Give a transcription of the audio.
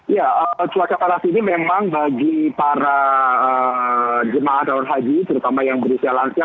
ya cuaca panas ini memang bagi para jemaah calon haji terutama yang berusia lansia